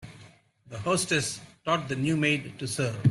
The hostess taught the new maid to serve.